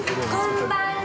こんばんは！